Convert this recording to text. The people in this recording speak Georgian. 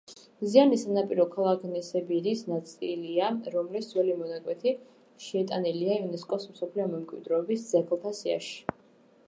მზიანი სანაპირო ქალაქ ნესებირის ნაწილია, რომლის ძველი მონაკვეთი შეტანილია იუნესკოს მსოფლიო მემკვიდრეობის ძეგლთა სიაში.